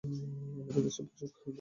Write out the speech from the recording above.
আমাদের দেশে প্রচুর খাল বিল আছে।